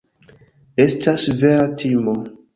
Estas vera timo.